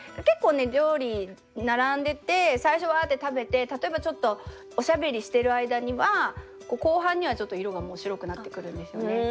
結構料理並んでて最初ワって食べて例えばちょっとおしゃべりしてる間には後半にはちょっと色がもう白くなってくるんですよね。